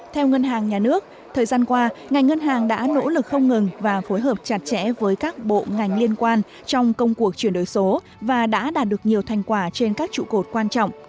theo ngân hàng nhà nước thời gian qua ngành ngân hàng đã nỗ lực không ngừng và phối hợp chặt chẽ với các bộ ngành liên quan trong công cuộc chuyển đổi số và đã đạt được nhiều thành quả trên các trụ cột quan trọng